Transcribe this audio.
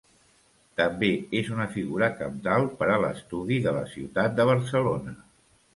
També és una figura cabdal per a l'estudi de la ciutat de Barcelona.